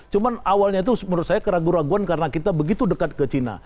cuma awalnya itu menurut saya keraguan keraguan karena kita begitu dekat ke china